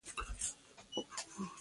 دا یوه پوښتنه ده – سوالیه جمله ده.